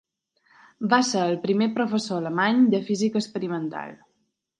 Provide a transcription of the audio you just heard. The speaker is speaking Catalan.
Va ser el primer professor alemany de Física Experimental.